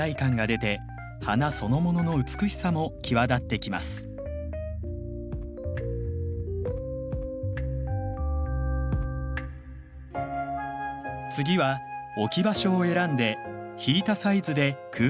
次は置き場所を選んで引いたサイズで空間と一緒に撮影します。